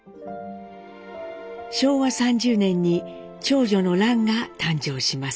昭和３０年に長女の蘭が誕生します。